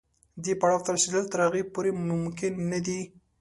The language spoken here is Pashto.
دې پړاو ته رسېدل تر هغې پورې ممکن نه دي.